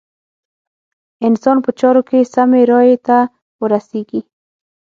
انسان په چارو کې سمې رايې ته ورسېږي.